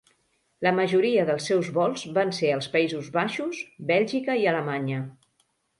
La majoria dels seus vols van ser als Països Baixos, Bèlgica i Alemanya.